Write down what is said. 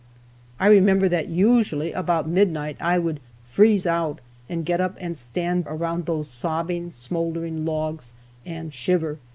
I remember that usually about midnight I would "freeze out," and get up and stand around those sobbing, smouldering logs, and shiver.